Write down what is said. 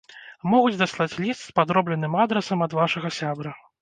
Могуць даслаць ліст з падробленым адрасам ад вашага сябра.